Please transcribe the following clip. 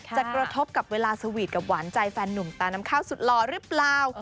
กระทบกับเวลาสวีทกับหวานใจแฟนหนุ่มตาน้ำข้าวสุดหล่อหรือเปล่า